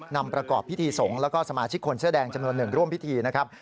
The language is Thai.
นำประกอบพิธีสงฆ์แล้วก็สมาชิกคนเสื้อแดงจำนวนหนึ่งร่วมพิธีนะครับ